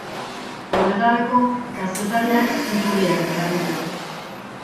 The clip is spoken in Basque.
Horretarako kazetariak iturriak behar ditu.